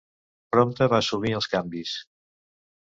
Prompte va assumir els canvis.